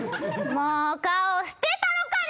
もう顔捨てたろかな。